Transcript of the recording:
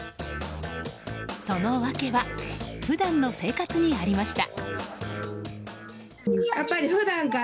その訳は普段の生活にありました。